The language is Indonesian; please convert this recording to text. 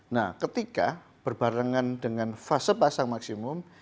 nah ketika berbarengan dengan fase pasang maksimum